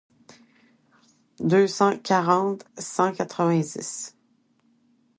deux cent quarante cent quatre-vingt-dix.